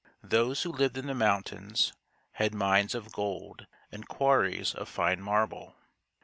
Those who lived in the mountains had mines of gold and quarries of fine marble.